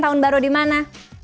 tahun baru di mana